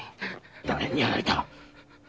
だれにやられた。